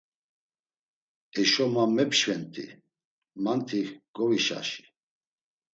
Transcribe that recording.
Eşo va mepşvent̆i, manti govişaşi.